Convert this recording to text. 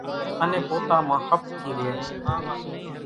انين پوتا مان ۿپ ٿي رئي،